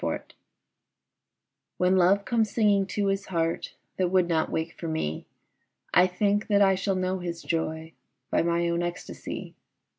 Song When Love comes singing to his heart That would not wake for me, I think that I shall know his joy By my own ecstasy.